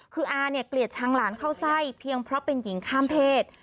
คืออาเนี่ยเกลียดชังหลานเข้าไส้เพียงเพราะเป็นหญิงข้ามเพศ